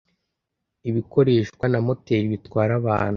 ibikoreshwa na moteri bitwara abantu